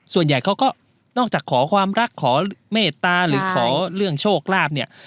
ส่วนใหญ่เขาก็นอกจากขอความรักขอเมตตาหรือขอเรื่องโชคลาภเนี่ย